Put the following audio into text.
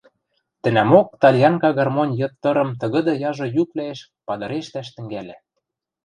Тӹнӓмок тальянка гармонь йыд тырым тыгыды яжо юквлӓэш падырештӓш тӹнгӓльӹ.